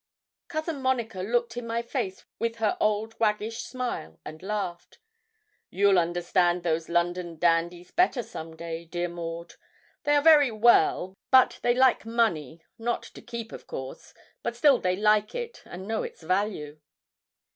Cousin Monica looked in my face with her old waggish smile, and laughed. 'You'll understand those London dandies better some day, dear Maud; they are very well, but they like money not to keep, of course but still they like it and know its value.'